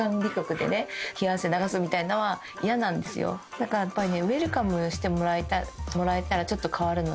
だからやっぱりね。